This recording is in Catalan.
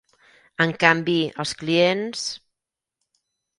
En canvi, els clients...